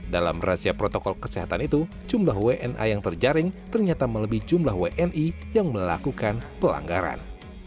dalam razia protokol kesehatan itu jumlah wna yang terjaring ternyata melebih jumlah wni yang melakukan pelanggaran